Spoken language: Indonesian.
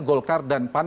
golkar dan pan